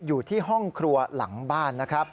อยู่ที่ห้องครัวหลังบ้าน